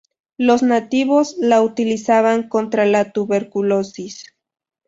Los nativos la utilizaban contra la tuberculosis.